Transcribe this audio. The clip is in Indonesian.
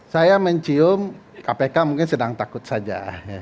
saya mencium kpk mungkin sedang takut saja